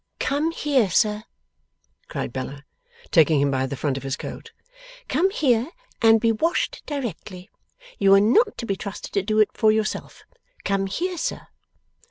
'Come here, sir!' cried Bella, taking him by the front of his coat, 'come here and be washed directly. You are not to be trusted to do it for yourself. Come here, sir!